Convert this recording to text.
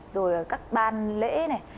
rồi các ban lễ